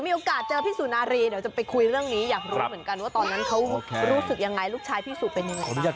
มีโอกาสเจอพี่สุนารีเดี๋ยวจะไปคุยเรื่องนี้อยากรู้เหมือนกันว่าตอนนั้นเขารู้สึกยังไงลูกชายพี่สุเป็นยังไง